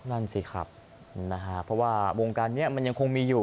นั่นสิครับนะฮะเพราะว่าวงการนี้มันยังคงมีอยู่